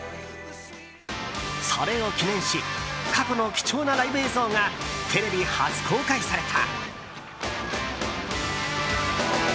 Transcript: それを記念し、過去の貴重なライブ映像がテレビ初公開された。